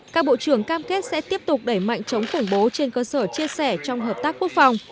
các bộ trưởng cam kết sẽ tiếp tục đẩy mạnh chống khủng bố trên cơ sở chia sẻ trong hợp tác quốc phòng